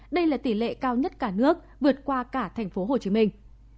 đây là tỷ lệ cao nhất cả nước vượt qua cả thành phố hồ chí minh